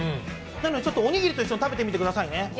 おにぎりと一緒に食べてみてくださいね。